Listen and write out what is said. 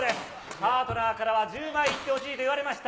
パートナーからは１０枚いってほしいと言われました。